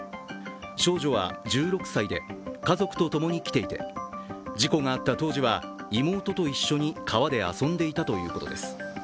少女は１６歳で、家族と共に来ていて事故があった当時は、妹と一緒に川で遊んでいたということです。